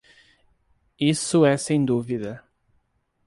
Isso é sem dúvida.